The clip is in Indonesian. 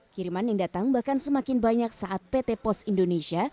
kiriman yang datang bahkan semakin banyak saat pt pos indonesia